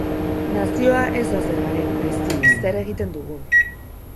Nazioa ez da zer garen, baizik zer egiten dugun.